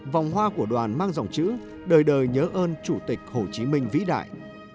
vòng hoa của đoàn mang dòng chữ đời đời nhớ ơn chủ tịch hồ chí minh vĩ đại